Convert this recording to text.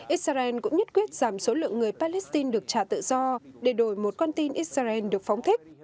israel cũng nhất quyết giảm số lượng người palestine được trả tự do để đổi một con tin israel được phóng thích